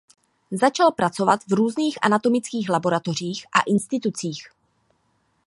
Začal pracovat v různých anatomických laboratořích a institucích.